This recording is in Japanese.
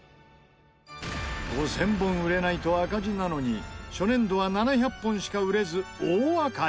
５０００本売れないと赤字なのに初年度は７００本しか売れず大赤字。